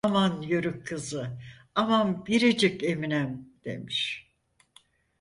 "Aman yörük kızı, aman biricik Eminem!" demiş.